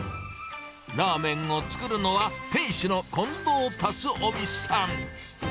ラーメンを作るのは、店主の近藤龍臣さん。